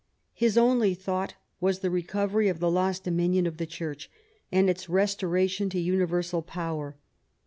His only thought was the recovery of the lost dominion of the Church, and its restoration to universal power.